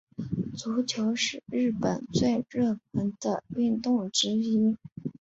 足球是日本最热门的运动之一。